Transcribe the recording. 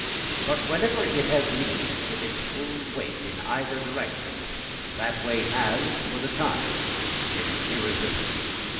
But whenever it has leaned with its whole weight in either direction, that weight has, for the time, been irresistible.